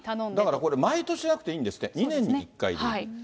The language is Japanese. だからこれ、毎年じゃなくていいんですって、２年に１回でいい。